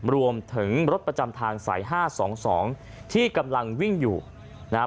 รวมถึงรถประจำทางสาย๕๒๒ที่กำลังวิ่งอยู่นะฮะ